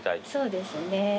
そうですね。